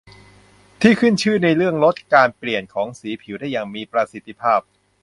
ที่ขึ้นชื่อในเรื่องลดการเปลี่ยนของสีผิวได้อย่างมีประสิทธิภาพ